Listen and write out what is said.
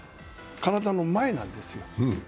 体の前なんですよ。